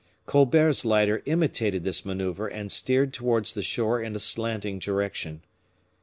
Colbert's lighter imitated this maneuver, and steered towards the shore in a slanting direction.